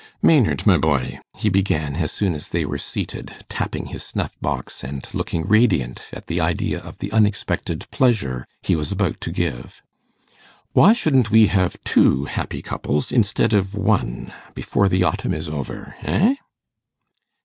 'Maynard, my boy,' he began, as soon as they were seated, tapping his snuff box, and looking radiant at the idea of the unexpected pleasure he was about to give, 'why shouldn't we have two happy couples instead of one, before the autumn is over, eh?